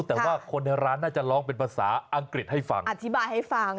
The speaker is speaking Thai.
แต่ว่าคนในร้านน่าจะร้องเป็นภาษาอังกฤษให้ฟังอธิบายให้ฟัง